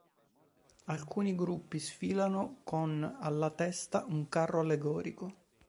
Alcuni gruppi sfilano con alla testa un carro allegorico.